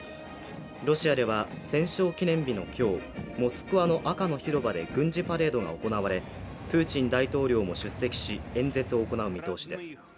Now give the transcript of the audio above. ロシアでは、戦勝記念日の今日モスクワの赤の広場で軍事パレードが行われプーチン大統領も出席し演説を行う見通しです。